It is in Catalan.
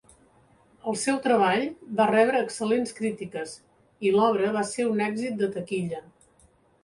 El seu treball va rebre excel·lents crítiques i l'obra va ser un èxit de taquilla.